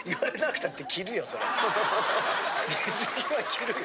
水着は着るよ。